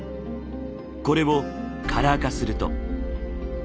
これをカラー化すると。